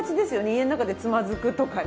家の中でつまずくとかね。